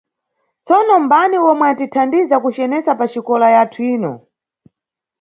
Tsono mbani omwe anʼtithandiza kucenesa paxikola yathu ino?